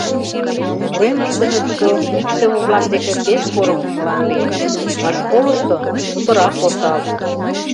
Уремыштыже тудо икшыве-влак деке пеш поро кумылан лийын, а школышто — путырак осал.